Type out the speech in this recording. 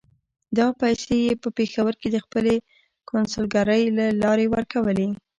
دا پیسې یې په پېښور کې د خپلې کونسلګرۍ له لارې ورکولې.